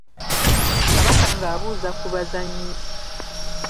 Kabaka ng’abuuza ku bazannyi.